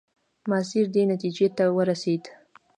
ماسیر دې نتیجې ته ورسېد.